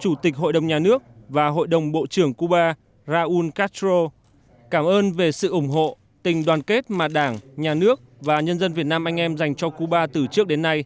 chủ tịch hội đồng nhà nước và hội đồng bộ trưởng cuba raúl castro cảm ơn về sự ủng hộ tình đoàn kết mà đảng nhà nước và nhân dân việt nam anh em dành cho cuba từ trước đến nay